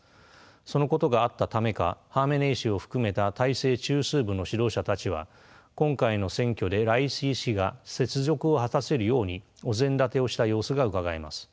そのことがあったためかハーメネイ師を含めた体制中枢部の指導者たちは今回の選挙でライシ師が雪辱を果たせるようにお膳立てをした様子がうかがえます。